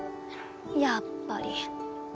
やっぱり。